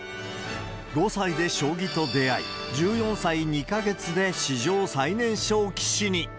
５歳で将棋と出会い、１４歳２か月で史上最年少棋士に。